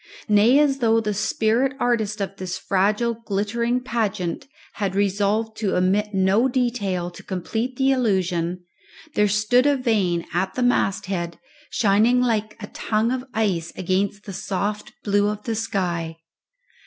Nay, as though the spirit artist of this fragile glittering pageant had resolved to omit no detail to complete the illusion, there stood a vane at the masthead, shining like a tongue of ice against the soft blue of the sky.